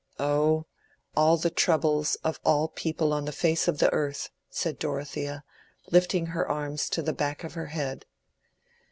"Oh, all the troubles of all people on the face of the earth," said Dorothea, lifting her arms to the back of her head.